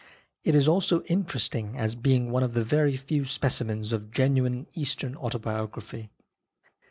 It is also interesting as being one of the very few specimens of genuine Eastern autobiography.